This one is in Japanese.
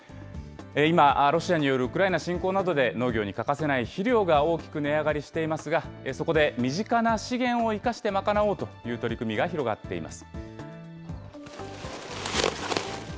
今、ロシアによるウクライナ侵攻などで農業に欠かせない肥料が大きく値上がりしていますが、そこで、身近な資源を生かして賄おうという取り組みが広がっています。